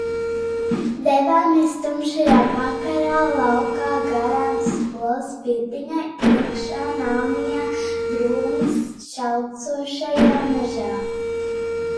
Devāmies tumšajā vakarā laukā, garām skolas pirtiņai, iekšā melnajā drūmi šalcošajā mežā.